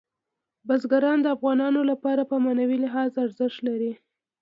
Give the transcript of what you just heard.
بزګان د افغانانو لپاره په معنوي لحاظ ارزښت لري.